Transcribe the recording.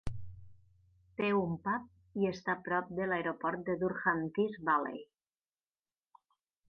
Té un pub i està prop de l'aeroport de Durham Tees Valley.